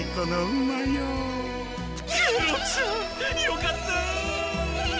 よかった！